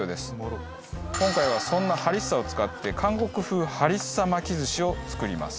今回はそんなハリッサを使って韓国風ハリッサ巻き寿司を作ります。